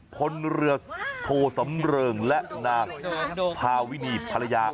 คนเรือโทษบินแลกนางภาวิธีภาระยา